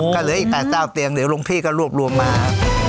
ครับก็เหลืออีกแปดเจ้าเตียงเดี๋ยวลุงพี่ก็รวบรวมมา